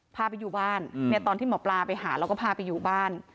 พาไปอยู่บ้านตอนที่หมอปลาไปหาแล้วก็พาไปอยู่บ้าน